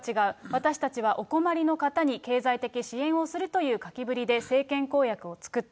私たちはお困りの方に経済的支援をするという書きぶりで政権公約を作った。